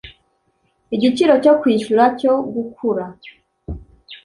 igiciro cyo kwishyura cyo gukura